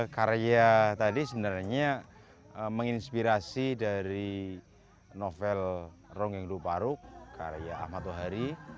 karya tadi sebenarnya menginspirasi dari novel rongeng lupa ruk karya ahmad tuhari